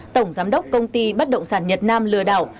tổng giám đốc công ty bất động sản nhật nam lừa đảo